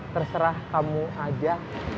terserah kamu aja